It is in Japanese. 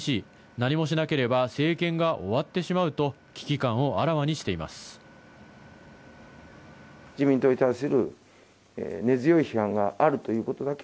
何もしなければ政権が終わってしまうと危機感をあらわにしています。